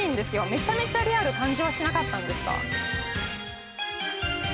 めちゃめちゃリアル感じはしなかったんですか？